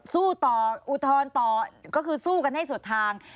สู้ต่ออุทธรณ์ต่อก็คือสู้กันให้สุดทาง